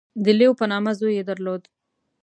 • د لیو په نامه زوی یې درلود.